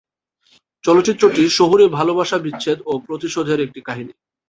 চলচ্চিত্রটি শহুরে ভালোবাসা বিচ্ছেদ ও প্রতিশোধের একটি কাহিনী।